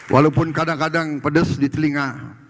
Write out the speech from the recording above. walaupun kadang kadang pedes di telinga